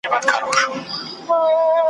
په افغانستان کي د مخدره توکو وده `